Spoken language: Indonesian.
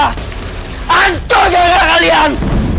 hancur gara gara kalian